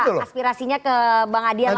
aspirasinya ke bang adia langsung